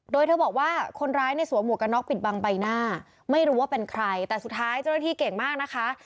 โดยเธอบอกว่าคนร้ายเนี่ยสวมหวกกันน็อกปิดบังใบหน้าไม่รู้ว่าเป็นใครแต่สุดท้ายเจ้าหน้าที่เก่งมากนะคะ